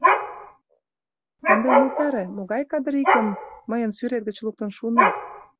Ынде умылтаре, могай кадырикым мыйын сӱрет гыч луктын шуынет?